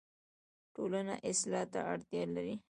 ټولنه اصلاح ته اړتیا لري